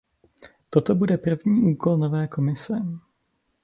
Toto bude první úkol nové Komise.